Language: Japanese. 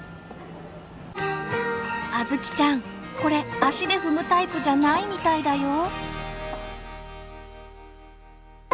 あずきちゃんこれ足で踏むタイプじゃないみたいだよ。